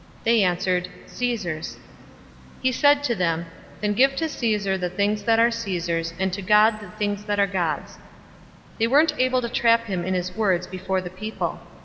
They answered, "Caesar's." 020:025 He said to them, "Then give to Caesar the things that are Caesar's, and to God the things that are God's." 020:026 They weren't able to trap him in his words before the people.